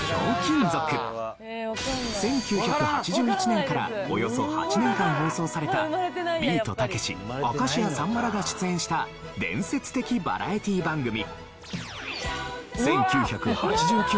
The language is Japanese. １９８１年からおよそ８年間放送されたビートたけし明石家さんまらが出演した伝説的バラエティ番組。